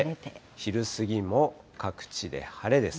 昼過ぎも各地で晴れです。